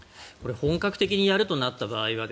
本格的にやるとなった場合